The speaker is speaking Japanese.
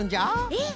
えっ？